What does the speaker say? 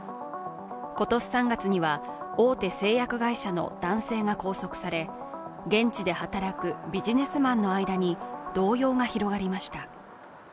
今年３月には、大手製薬会社の男性が拘束され、現地で働くビジネスマンの間に動揺が広がりました。